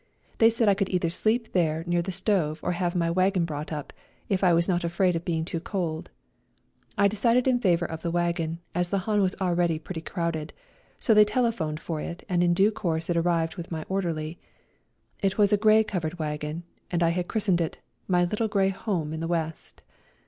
They said I could either sleep there near the stove or have my wagon brought up, if I was not afraid of being too cold. I decided in favour of the wagon, as the hahn was already pretty crowded ; so they telephoned for it, and in due course it arrived with my orderly. It was a grey covered wagon, and I had christened it "My little grey home in the west."